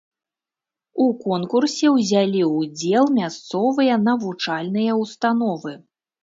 У конкурсе ўзялі удзел мясцовыя навучальныя ўстановы.